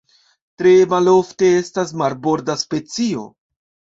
Tre malofte estas marborda specio.